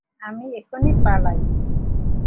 আমি এখনই পালাই।